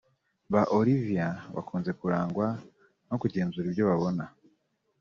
Ba Olivia bakunze kurangwa nokugenzura ibyo babona byose